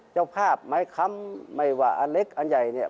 เจ้าภาพไม้ค้ำไม่ว่าอันเล็กอันใหญ่เนี่ย